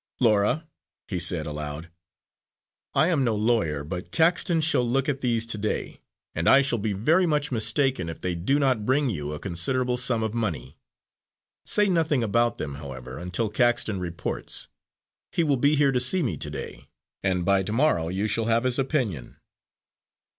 "Laura," he said aloud, "I am no lawyer, but Caxton shall look at these to day, and I shall be very much mistaken if they do not bring you a considerable sum of money. Say nothing about them, however, until Caxton reports. He will be here to see me to day and by to morrow you shall have his opinion."